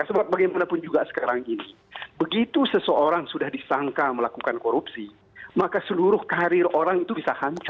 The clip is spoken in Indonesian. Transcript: sebab bagaimanapun juga sekarang ini begitu seseorang sudah disangka melakukan korupsi maka seluruh karir orang itu bisa hancur